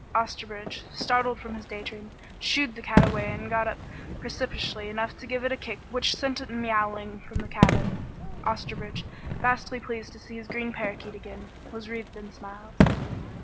Osterbridge, startled from his daydream, shooed away the cat and got up precipitously enough to give it a kick which sent it miaowling from the cabin. Osterbridge, vastly pleased to see his green parakeet again, was wreathed in smiles.